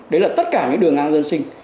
đấy là tất cả những đường ngang dân sinh